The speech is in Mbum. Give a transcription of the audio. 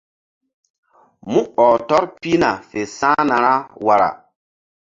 Mú ɔh tɔr pihna fe sa̧hna ra wara.